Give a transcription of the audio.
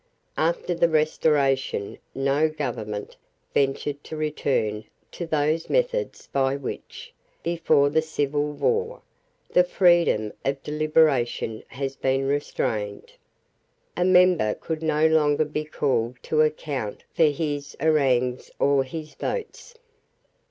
After the Restoration, no government ventured to return to those methods by which, before the civil war, the freedom of deliberation has been restrained. A member could no longer be called to account for his harangues or his votes.